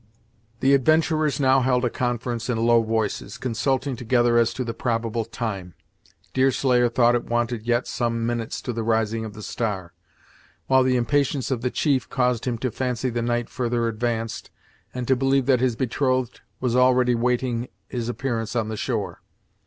The adventurers now held a conference in low voices, consulting together as to the probable time. Deerslayer thought it wanted yet some minutes to the rising of the star, while the impatience of the chief caused him to fancy the night further advanced, and to believe that his betrothed was already waiting his appearance on the shore.